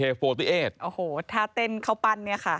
โอโหถ้าเต้นเค้าปั้นเนี่ยค่ะ